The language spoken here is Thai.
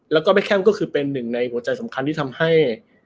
แล้วก็แม่แคมก็คือเป็นหนึ่งในหัวใจสำคัญที่ทำให้